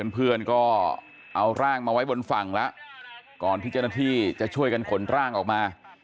เพื่อนก็เอาร่างมาไว้บนฝั่งแล้วก่อนที่เจ้าหน้าที่จะช่วยกันขนร่างออกมา